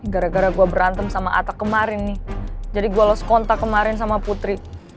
gara gara gue berantem sama atak kemarin nih jadi gue los kontak kemarin sama putri